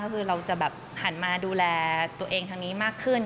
ก็คือเราจะแบบหันมาดูแลตัวเองทางนี้มากขึ้น